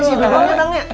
masih beneran ya dang ya